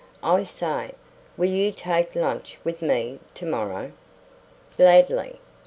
I say, will you take lunch with me to morrow?" "Gladly."